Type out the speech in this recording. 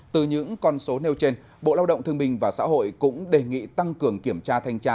từ những con số nêu trên bộ lao động thương minh và xã hội cũng đề nghị tăng cường kiểm tra thanh tra